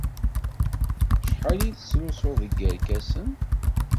Acḥal ay tettlusuḍ deg yerkasen?